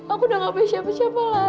aku udah gak punya siapa siapa lagi